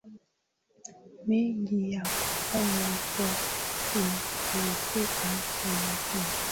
mengi ya kufanya kwa kuchunguza kwa makini